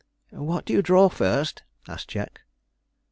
'What do you draw first?' asked Jack.